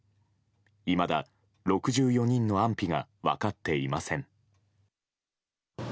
いまだ６４人の安否が分かっていません。